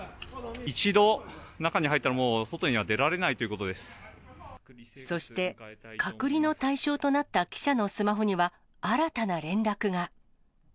一度、中に入ったらもう外には出そして、隔離の対象となった記者のスマホには、新たな連絡が。